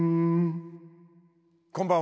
こんばんは。